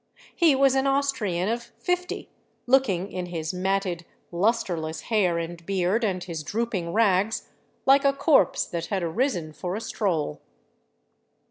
He was an Austrian of fifty, looking in his matted, lusterless hair and beard, and his drooping rags, Hke a corpse that had arisen for a stroll.